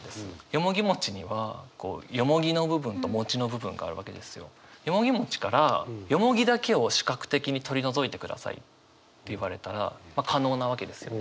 よもぎにはよもぎの部分との部分がよもぎからよもぎだけを視覚的に取り除いてくださいって言われたら可能なわけですよ。